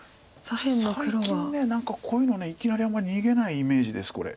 最近何かこういうのいきなりあんまり逃げないイメージですこれ。